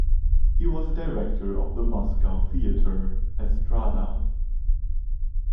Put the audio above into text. He was a director of the Moscow theatre "Estrada".